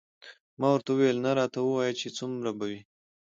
ما ورته وویل نه راته ووایه چې څومره به وي.